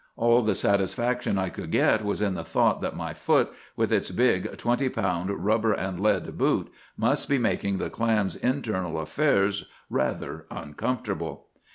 All the satisfaction I could get was in the thought that my foot, with its big, twenty pound, rubber and lead boot, must be making the clam's internal affairs rather uncomfortable.